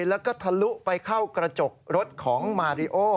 แล้วก็ทะลุไปเข้ากระจกรถของมาริโอ